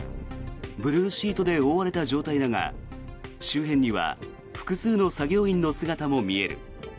ブルーシートで覆われた状態だが周辺には複数の作業員の姿も見える。